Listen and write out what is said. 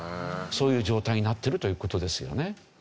そういう状態になってるという事ですよね。